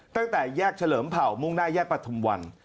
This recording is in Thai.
ตั้งแต่แยกเฉลิมเผ่ามุ่งหน้าแยกประทุมวัน